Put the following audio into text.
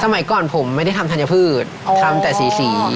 สมัยก่อนผมไม่ได้ทำธัญพืชทำแต่สีสี